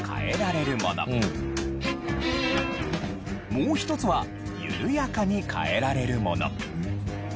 もう一つは緩やかに変えられるもの。